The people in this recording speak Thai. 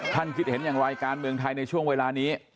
คิดเห็นอย่างไรการเมืองไทยในช่วงเวลานี้